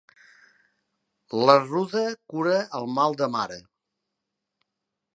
La ruda cura el mal de mare.